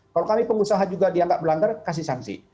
kalau kami pengusaha juga dianggap melanggar kasih sanksi